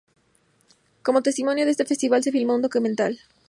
Como testimonio de este Festival se filmó un documental.